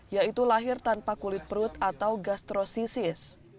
yaitu lahir tanpa kulit perut atau gastrosisis